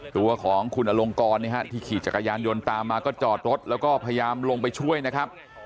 ตัวของคุณอลงกรที่ขี่จักรยานยนต์ตามมาก็จอดรถแล้วก็พยายามลงไปช่วยนะครับ